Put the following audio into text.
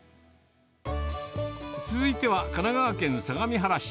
続いては、神奈川県相模原市。